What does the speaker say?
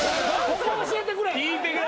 ・ここ教えてくれ。